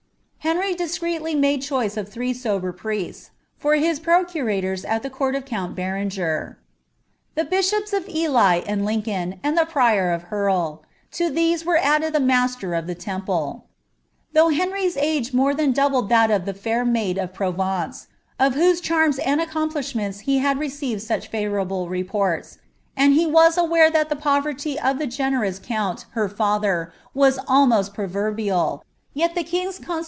Henry discreetly made choice of three sober priests, for his _ tors at the court of count Berenger.' The bishops of Kly and ■ coin, and the prior of Ilurlc ; to these were added llie masln < Temple. Though Hpiiry'a age more than doubled that of the fiorBi of Provence, of whose charms and accomplishments he had recvinJ ' such favoumble repoits, and he was aware thai the poverty of the Evn^ Tons count her father was almost proverbial, yet the king's const!